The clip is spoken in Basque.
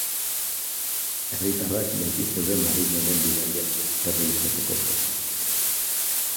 Herritarrak beti zeuden marinelen bidaien berri izateko prest.